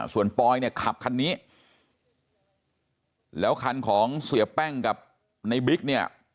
ส่วนปอยเนี่ยขับคันนี้แล้วคันของเสียแป้งกับในบิ๊กเนี่ย